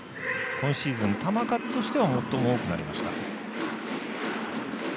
今シーズン、球数としては最も多くなりました。